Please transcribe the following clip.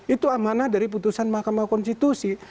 itu amanah dari putusan mahkamah konstitusi